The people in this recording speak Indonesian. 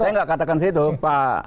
saya gak katakan sih itu pak